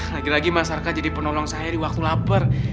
lagi lagi masyarakat jadi penolong saya di waktu lapar